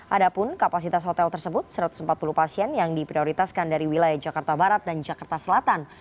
ada pun kapasitas hotel tersebut satu ratus empat puluh pasien yang diprioritaskan dari wilayah jakarta barat dan jakarta selatan